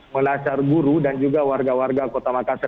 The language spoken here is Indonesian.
menasar guru dan juga warga warga kota makassar